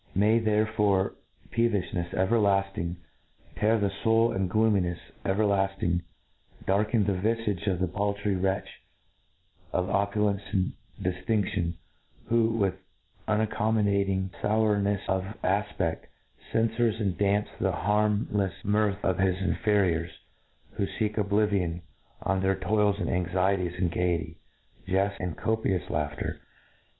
May therefore peevilhncfs ever lafting 7« .introduction; lafting tear the foul, and gloominefs evedafting darken the vifage of the paultry wretch of opu lence and diftinftion, who, with unaccommoda ting fournefs of afpcft, cenfures and damps the^ harmlefs mirth of his inferiors, who feek oblivi on of their toils and anxieties in gaity, jeft, and •copious laughter!